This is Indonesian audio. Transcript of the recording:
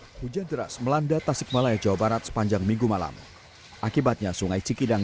hai hujan jeras melanda tasikmalaya jawa barat sepanjang minggu malam akibatnya sungai cikidang